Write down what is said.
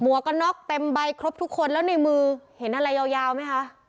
กระน็อกเต็มใบครบทุกคนแล้วในมือเห็นอะไรยาวไหมคะ